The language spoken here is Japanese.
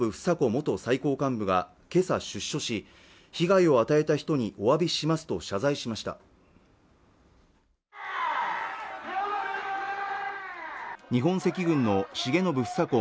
元最高幹部が今朝出所し被害を与えた人におわびしますと謝罪しました日本赤軍の重信房子